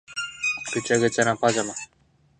ぐちゃぐちゃなパジャマ